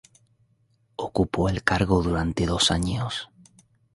Ocupó el cargo durante dos años.